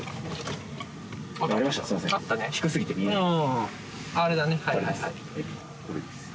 低すぎて見えなかった。